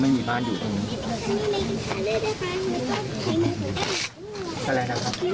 ถ้าเกิดว่าไม่มีบ้านอยู่ตรงนี้